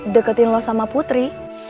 deketin lo sama putri